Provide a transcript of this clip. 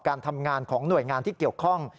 การทำงานของหน่วยงานที่เกี่ยวข้อง